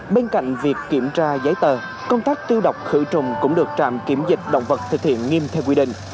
bên cạnh việc kiểm tra giấy tờ công tác tiêu độc khử trùng cũng được trạm kiểm dịch động vật thực hiện nghiêm theo quy định